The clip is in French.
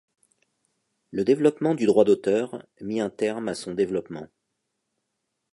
Le développement du droit d'auteur mit un terme à son développement.